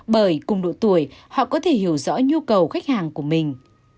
bởi cùng độ tuổi họ có thể hiểu rõ nhu cầu khách hàng của mình